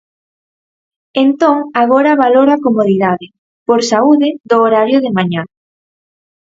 Entón agora valoro a comodidade, por saúde, do horario de mañá.